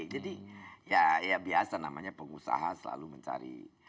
jadi ya biasa namanya pengusaha selalu mencari